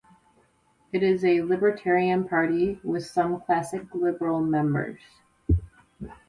It is a libertarian party with some classic liberal members.